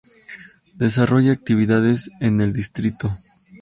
Desarrolla actividades en el Dto.